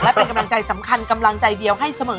และเป็นกำลังใจสำคัญกำลังใจเดียวให้เสมอ